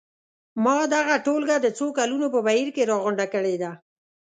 ما دغه ټولګه د څو کلونو په بهیر کې راغونډه کړې ده.